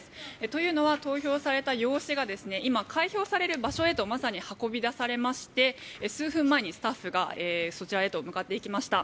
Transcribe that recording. というのは投票された用紙が今、開票される場所へとまさに運び出されまして数分前にスタッフがそちらへと向かっていきました。